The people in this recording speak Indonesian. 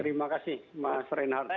terima kasih mas reinhardt